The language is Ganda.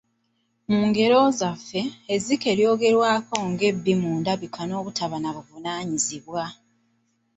Mu ngero zaffe, ezzike ly’ogerwako ng’ebbi mu ndabika n'obutaba na buvunaanyizibwa.